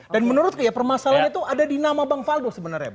dan menurutku ya permasalahannya itu ada di nama bang faldo sebenarnya